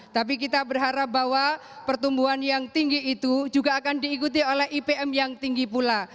tapi kita berharap bahwa pertumbuhan yang tinggi itu juga akan diikuti oleh ipm yang tinggi pula